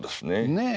ねえ。